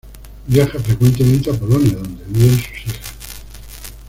Viaja frecuentemente a Polonia, donde viven sus hijas.